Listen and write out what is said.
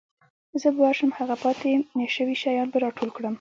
زه به ورشم هغه پاتې شوي شیان به راټول کړم.